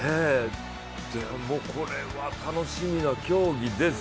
これは楽しみな競技です。